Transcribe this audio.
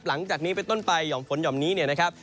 หลังจากนี้เป็นต้นไปห่อมฝนห่อมนี้เนี่ยนะครับ